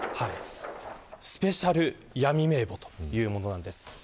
スペシャル闇名簿というものなんです。